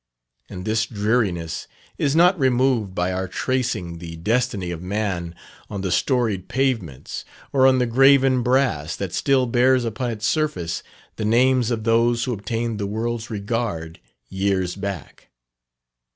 And this dreariness is not removed by our tracing the destiny of man on the storied pavements or on the graven brass, that still bears upon its surface the names of those who obtained the world's regard years back.